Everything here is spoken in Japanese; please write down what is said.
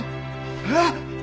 えっ！